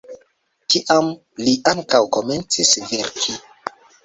Tiam li ankaŭ komencis verki.